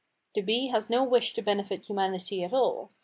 The bee has no wish to benefit humanity at all.